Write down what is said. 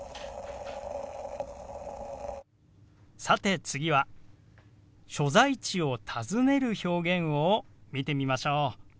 さて次は所在地を尋ねる表現を見てみましょう。